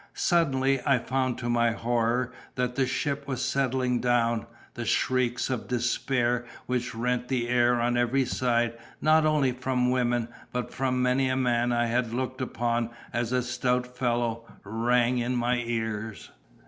Suddenly, I found to my horror, that the ship was settling down; the shrieks of despair which rent the air on every side, not only from women, but from many a man I had looked upon as a stout fellow, rang in my ears.